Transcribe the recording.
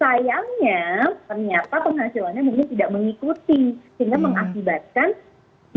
sayangnya ternyata penghasilannya mungkin tidak mengikuti sehingga mengakibatkan barang atau jasanya sudah dinikmati